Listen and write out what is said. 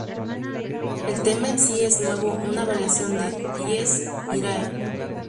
El tema en sí es de nuevo una variación de "Dies irae".